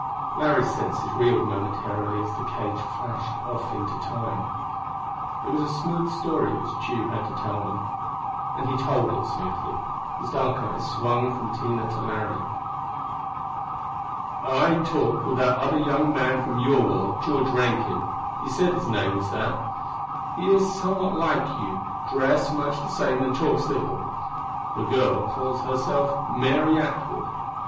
Larry's senses reeled momentarily as the cage flashed off into Time. It was a smooth story which Tugh had to tell them; and he told it smoothly. His dark eyes swung from Tina to Larry. "I talked with that other young man from your world. George Rankin, he said his name was. He is somewhat like you: dressed much the same and talks little. The girl calls herself Mary Atwood."